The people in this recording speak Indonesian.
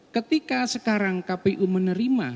ketika sekarang kpu menerima